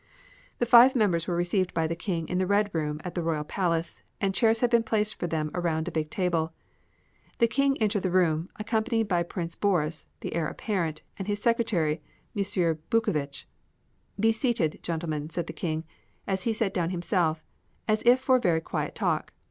The five members were received by the King in the red room at the Royal Palace and chairs had been placed for them around a big table. The King entered the room, accompanied by Prince Boris, the heir apparent, and his secretary, M. Boocovitch. "Be seated, gentlemen," said the King, as he sat down himself, as if for a very quiet talk.